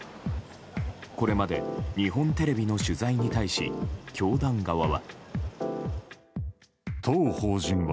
これまでに日本テレビの取材に対し教団側は。